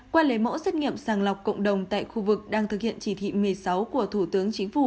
qua lấy mẫu xét nghiệm sàng lọc cộng đồng tại khu vực đang thực hiện chỉ thị một mươi sáu của thủ tướng chính phủ